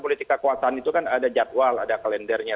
politik kekuasaan itu kan ada jadwal ada kalendernya